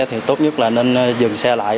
thì tốt nhất là nên dừng xe lại